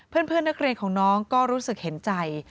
เพื่อนนักเรียนของน้องก็รู้สึกเห็นใจ